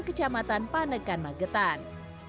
kecamatan panekan magetang